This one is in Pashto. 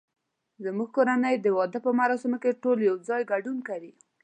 زمونږ کورنۍ د واده په مراسمو کې ټول یو ځای ګډون کوي